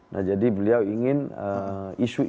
nah jadi beliau ingin isu ini